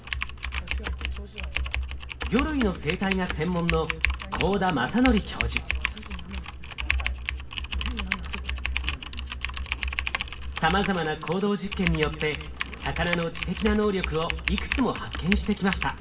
魚類の生態が専門のさまざまな行動実験によって魚の知的な能力をいくつも発見してきました。